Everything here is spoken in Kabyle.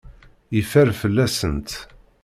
Yeffer fell-asent.